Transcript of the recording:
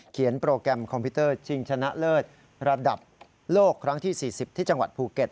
โปรแกรมคอมพิวเตอร์ชิงชนะเลิศระดับโลกครั้งที่๔๐ที่จังหวัดภูเก็ต